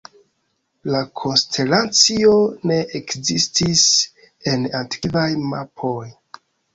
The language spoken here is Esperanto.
La konstelacio ne ekzistis en antikvaj mapoj.